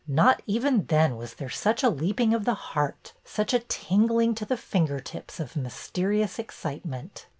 Not even then was there such MISS MINTURNE 27s a leaping of the heart, such a tingling to the finger tips of mysterious excitement.